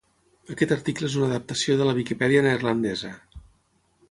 Aquest article és una adaptació de la Viquipèdia neerlandesa.